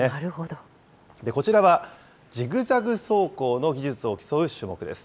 こちらはジグザグ走行の技術を競う種目です。